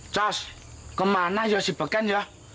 cos kemana ya si beken ya